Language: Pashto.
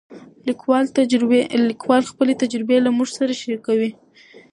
لیکوال خپلې تجربې له موږ سره شریکوي.